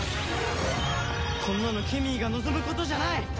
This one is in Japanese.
こんなのケミーが望むことじゃない！